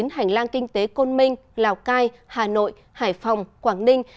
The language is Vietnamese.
hành lang kinh tế côn minh lào cai hà nội hải phòng quảng ninh